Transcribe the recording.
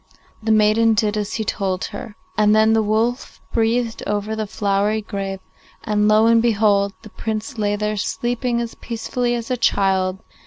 The maiden did as he told her, and then the wolf breathed over the flowery grave, and, lo and behold! the Prince lay there sleeping as peacefully as a child.